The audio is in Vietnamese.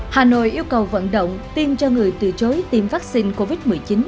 hà nội yêu cầu vận động tiêm cho người từ chối tiêm vaccine covid một mươi chín